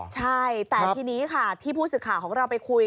ใช่แต่ทีนี้ค่ะที่ผู้สื่อข่าวของเราไปคุย